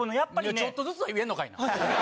ちょっとずつは言えんのかいな。